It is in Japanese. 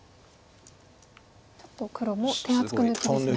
ちょっと黒も手厚く抜きですね。